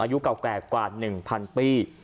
อายุเก่าแก่กว่า๑๐๐ปี